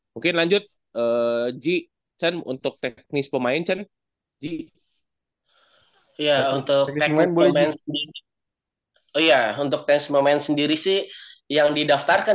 mungkin lanjut ji sen untuk teknis pemain chen ji ya untuk teknis pemain sendiri sih yang didaftarkan